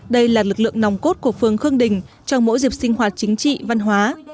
đây là lực lượng nòng cốt của phường khương đình trong mỗi dịp sinh hoạt chính trị văn hóa